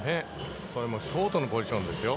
それもショートのポジションですよ。